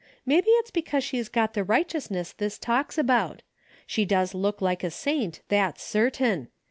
Maybe it's because she's got the righteousness this talks about. She does look like a saint, that's certain.